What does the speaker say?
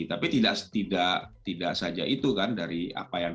tapi tidak saja itu kan dari apa yang